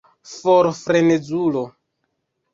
For, frenezulo!